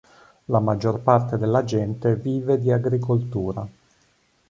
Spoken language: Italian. La maggior parte della gente vive di agricoltura.